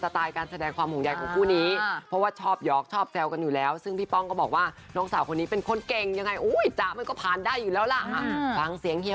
ดำใจเขามั้ยหรือว่าไปซ้ำเติบมากเท่าไหร่